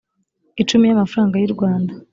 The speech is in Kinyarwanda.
icumi y amafaranga y u rwanda